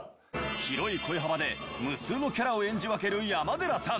広い声幅で無数のキャラを演じ分ける山寺さん。